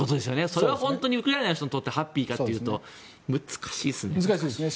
それはウクライナの人にとってハッピーかというと難しいですね。